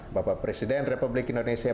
bapak presiden republik indonesia